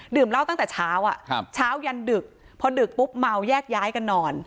เหล้าตั้งแต่เช้าเช้ายันดึกพอดึกปุ๊บเมาแยกย้ายกันนอน